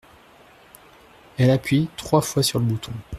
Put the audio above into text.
Elle appuie trois fois sur le bouton.